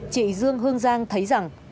chị dương hương giang thấy rằng